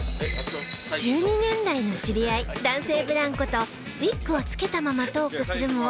１２年来の知り合い男性ブランコとウィッグを着けたままトークするも